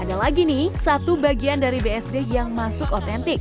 ada lagi nih satu bagian dari bsd yang masuk otentik